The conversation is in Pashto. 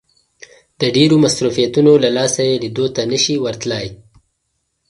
د ډېرو مصروفيتونو له لاسه يې ليدو ته نه شي ورتلای.